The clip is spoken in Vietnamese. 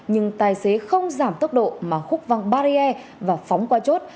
nhưng tài xế không giảm tốc độ mà khúc văng barrier và phóng qua chốt